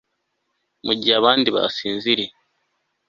Mugihe abandi basinziriye